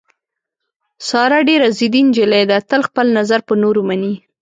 ساره ډېره ضدي نجیلۍ ده، تل خپل نظر په نورو مني.